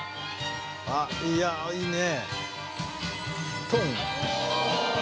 あっいやいいねトン！